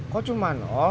kok cuma loh